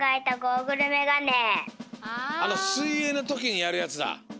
すいえいのときにやるやつだ。